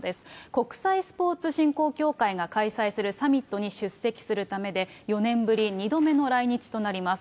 国際スポーツ振興協会が開催するサミットに出席するためで、４年ぶり２度目の来日となります。